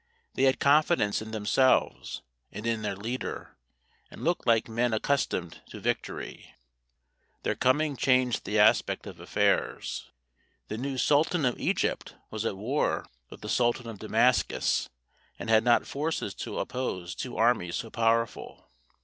They had confidence in themselves and in their leader, and looked like men accustomed to victory. Their coming changed the aspect of affairs. The new sultan of Egypt was at war with the sultan of Damascus, and had not forces to oppose two enemies so powerful.